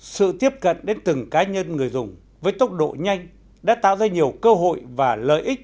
sự tiếp cận đến từng cá nhân người dùng với tốc độ nhanh đã tạo ra nhiều cơ hội và lợi ích